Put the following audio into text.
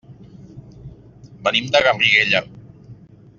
Venim de Garriguella.